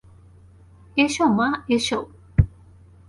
এসো মা, এসো।